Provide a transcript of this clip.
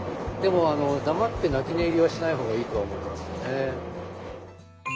でも黙って泣き寝入りはしない方がいいとは思いますよね。